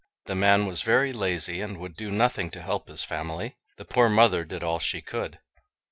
The man was very lazy, and would do nothing to help his family. The poor mother did all she could.